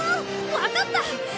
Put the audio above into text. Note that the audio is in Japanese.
わかった！